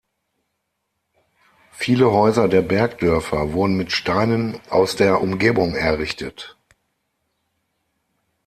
Viele Häuser der Bergdörfer wurden mit Steinen aus der Umgebung errichtet.